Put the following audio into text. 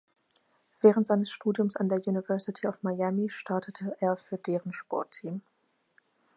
Während seines Studiums an der University of Miami startete er für deren Sportteam.